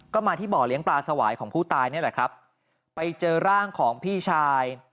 ก็มาที่บ่อเลี้ยงปลาสวายของผู้ตายนี่แหละครับไปเจอร่างของพี่ชาย